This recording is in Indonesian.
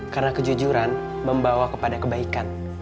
karena kejujuran membawa kepada kebaikan